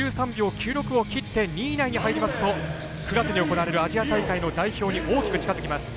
５３秒９６を切って２位以内に入りますと９月に行われるアジア大会の代表に大きく近づきます。